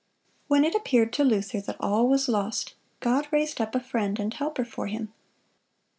When it appeared to Luther that all was lost, God raised up a friend and helper for him.